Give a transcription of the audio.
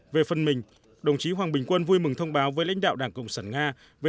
về phần mình đồng chí hoàng bình quân vui mừng thông báo với lãnh đạo đảng cộng sản nga về